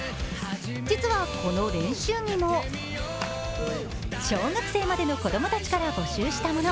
実は、この練習着も小学生までの子供たちから募集したもの。